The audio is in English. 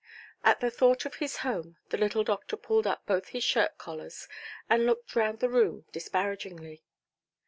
At the thought of his home, the little doctor pulled up both his shirt–collars, and looked round the room disparagingly.